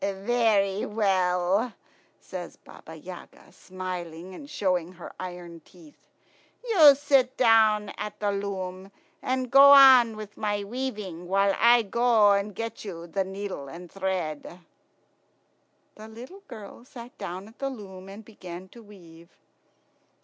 "Very well," says Baba Yaga, smiling, and showing her iron teeth. "You sit down here at the loom, and go on with my weaving, while I go and get you the needle and thread." The little girl sat down at the loom and began to weave.